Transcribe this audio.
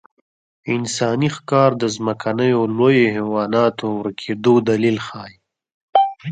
انساني ښکار د ځمکنیو لویو حیواناتو ورکېدو دلیل ښيي.